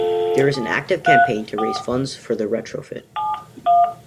There is an active campaign to raise funds for the retrofit.